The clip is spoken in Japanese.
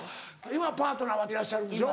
今パートナーいらっしゃるんでしょ。